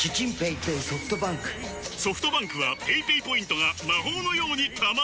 ソフトバンクはペイペイポイントが魔法のように貯まる！